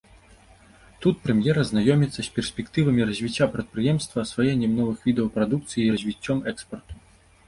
Тут прэм'ер азнаёміцца з перспектывамі развіцця прадпрыемства, асваеннем новых відаў прадукцыі і развіццём экспарту.